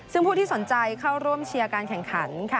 ซึ่งผู้ที่สนใจเข้าร่วมเชียร์การแข่งขันค่ะ